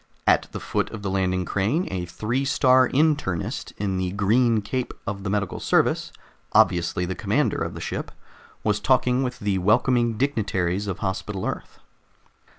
At the foot of the landing crane a Three star Internist in the green cape of the Medical Service obviously the commander of the ship was talking with the welcoming dignitaries of Hospital Earth.